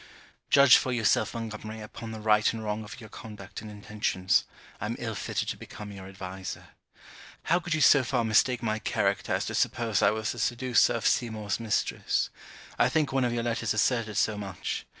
Judge for yourself, Montgomery, upon the right and wrong of your conduct and intentions. I am ill fitted to become your adviser. How could you so far mistake my character as to suppose I was the seducer of Seymour's mistress: I think one of your letters asserted so much.